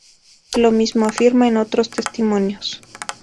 Lo mismo afirma en otros testimonios.